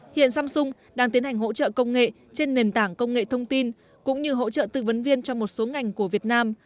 hiện samsung đang tiến hành hỗ trợ công nghệ trên nền tảng công nghệ thông tin cũng như hỗ trợ tư vấn viên cho một số ngành của việt nam